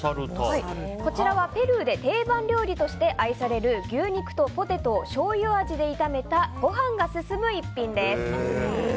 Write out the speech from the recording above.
こちらはペルーで定番料理として愛される牛肉とポテトをしょうゆ味で炒めたご飯が進む一品です。